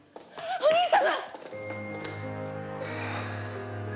お兄様。